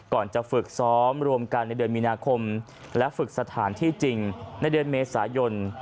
ก่อนจะฝึกซ้อมรวมกันในเดือนมีนาคมและฝึกสถานที่จริงในเดือนเมษายน